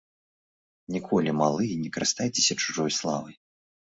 Ніколі, малыя, не карыстайцеся чужой славай.